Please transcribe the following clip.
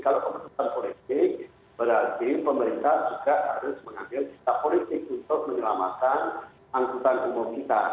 kalau keputusan politik berarti pemerintah juga harus mengambil sikap politik untuk menyelamatkan angkutan umum kita